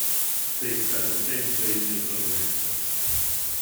Sei stata sempre il mio tormento.